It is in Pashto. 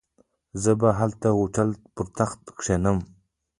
زه به هلته د هوټل پر تخت کښېنم.